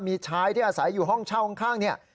มีชายที่อาศัยอยู่ห้องเช่าข้างเนี่ย